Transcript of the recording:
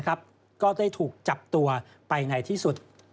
ก็ได้ถูกจับตัวไปในที่สุด